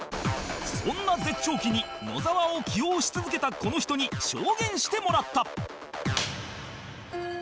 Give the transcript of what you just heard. そんな絶頂期に野沢を起用し続けたこの人に証言してもらった